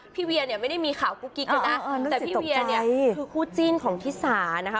เวียเนี่ยไม่ได้มีข่าวกุ๊กกิ๊กกันนะแต่พี่เวียเนี่ยคือคู่จิ้นของทิสานะคะ